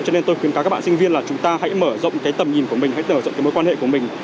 cho nên tôi khuyến cáo các bạn sinh viên là chúng ta hãy mở rộng cái tầm nhìn của mình hãy mở rộng cái mối quan hệ của mình